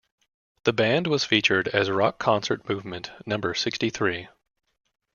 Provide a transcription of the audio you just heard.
The band was featured as rock concert movement number sixty-three.